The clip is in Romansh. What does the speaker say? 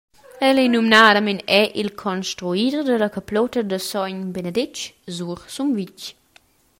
El ei numnadamein era il construider dalla caplutta da Sogn Benedetg sur Sumvitg.